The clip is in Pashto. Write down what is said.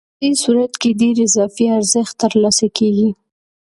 په دې صورت کې ډېر اضافي ارزښت ترلاسه کېږي